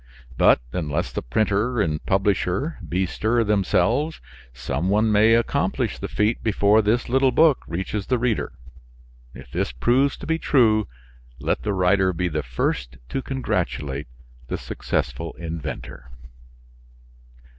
But unless the printer and publisher bestir themselves some one may accomplish the feat before this little book reaches the reader. If this proves to be true, let the writer be the first to congratulate the successful inventor.